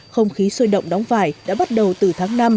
không khí sôi động đóng vải đã bắt đầu từ tháng năm